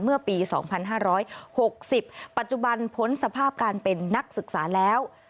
เมื่อปี๒๕๖๐ปัจจุบันพ้นสภาพการเป็นนักศึกษาแล้ว